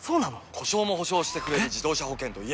故障も補償してくれる自動車保険といえば？